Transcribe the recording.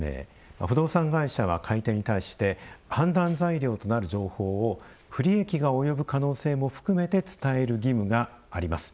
不動産会社は買い手に対して判断材料となる情報を不利益が及ぶことも含めて伝える義務があります。